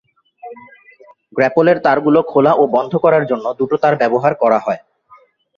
গ্র্যাপলের তারগুলো খোলা ও বন্ধ করার জন্য দুটো তার ব্যবহার করা হয়।